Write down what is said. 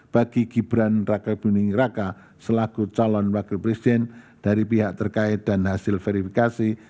bagi gibran raka buming raka selaku calon wakil presiden dari pihak terkait dan hasil verifikasi